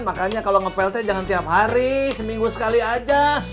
makanya kalau nge plt jangan tiap hari seminggu sekali aja